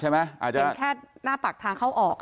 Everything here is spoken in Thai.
เป็นแค่หน้าปากทางเข้าออก